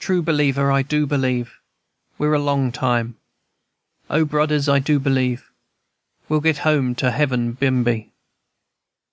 True believer, I do believe We're a long time, &c. O brudders, I do believe, We'll get home to heaven bimeby."